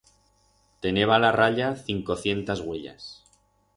Teneba a la raya cincocientas uellas.